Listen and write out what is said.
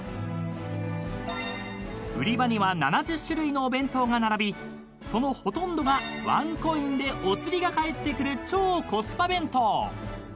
［売り場には７０種類のお弁当が並びそのほとんどがワンコインでお釣りが返ってくる超コスパ弁当］